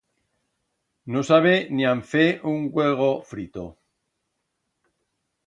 No sabe nian fer un uego frito.